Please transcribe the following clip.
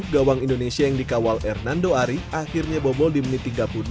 gawang indonesia yang dikawal hernando ari akhirnya bobol di menit tiga puluh dua